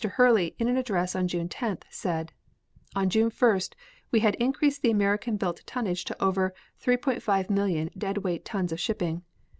Hurley, in an address on June 10th, said: On June 1st, we had increased the American built tonnage to over 3,500,000 dead weight tons of shipping.